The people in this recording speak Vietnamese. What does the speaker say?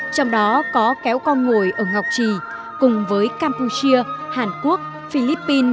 trong đó có kéo con ngồi ở ngọc trì cùng với campuchia hàn quốc philippines